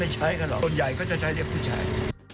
ใช้กันหรอกส่วนใหญ่ก็จะใช้เด็กผู้ชาย